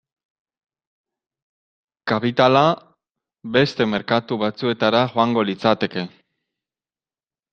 Kapitala beste merkatu batzuetara joango litzateke.